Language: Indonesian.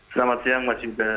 selamat siang mas imban